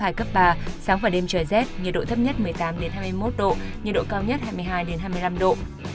gió đông bắc cấp ba sáng và đêm trời rét nhiệt độ thấp nhất một mươi tám hai mươi một độ nhiệt độ cao nhất hai mươi hai hai mươi năm độ